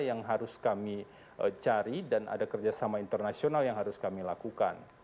yang harus kami cari dan ada kerjasama internasional yang harus kami lakukan